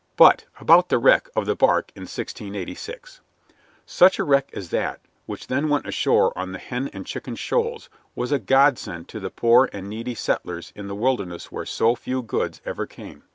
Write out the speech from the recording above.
But about the wreck of the bark in 1686. Such a wreck as that which then went ashore on the Hen and Chicken Shoals was a godsend to the poor and needy settlers in the wilderness where so few good things ever came.